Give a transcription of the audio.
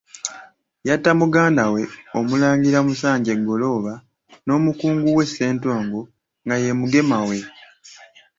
Yatta muganda we Omulangira Musanje Ggolooba n'omukungu we Ssentongo nga ye Mugema we.